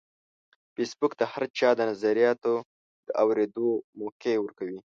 فېسبوک د هر چا د نظریاتو د اورېدو موقع ورکوي